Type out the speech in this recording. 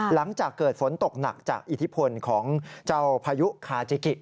หลังจากเกิดฝนตกหนักจากอิทธิพลของเจ้าพายุคาจิกิ